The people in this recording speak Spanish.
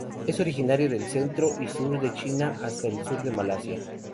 Es originario del centro y sur de China hasta el sur de Malasia.